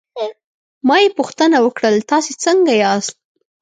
له ما یې پوښتنه وکړل: تاسې څنګه یاست؟